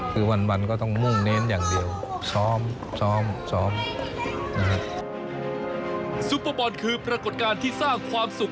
คือวันก็ต้องมุ่งเน้นอย่างเดียว